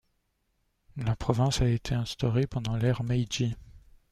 La province a été instaurée pendant l'ère Meiji.